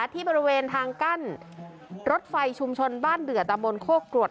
ที่บริเวณทางกั้นรถไฟชุมชนบ้านเดือตำบลโคกรวด